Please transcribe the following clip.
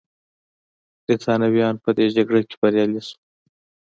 برېټانویان په دې جګړه کې بریالي شول.